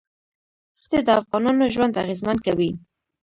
ښتې د افغانانو ژوند اغېزمن کوي.